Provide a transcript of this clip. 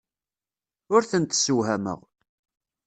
Ur tent-ssewhameɣ.